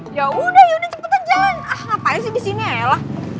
ya udah yuk cepetan jalan ngapain sih disini ya elah